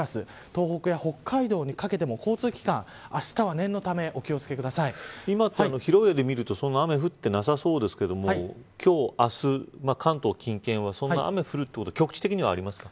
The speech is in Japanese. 東北や北海道にかけても交通機関あしたは念のため今、広い目で見るとそう雨は降ってなさそうですけど今日、明日、関東近辺はそんなに雨が降るということは局地的にはありますか。